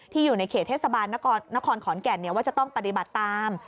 อยู่ในเขตเทศบาลนครขอนแก่นว่าจะต้องปฏิบัติตาม